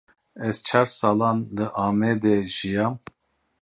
Ez çar salan li Amedê jiyam.